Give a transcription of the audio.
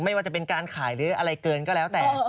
ไม่ว่าจะเป็นการขายหรืออะไรเกินก็แล้วแต่